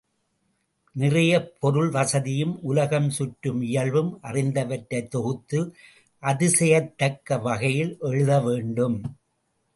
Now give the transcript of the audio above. நிறைய பொருள் வசதியும் உலகம் சுற்றும் இயல்பும் அறிந்தவற்றைத் தொகுத்து அதிசயிக்கத்தக்க வகையில் எழுத வேண்டும்.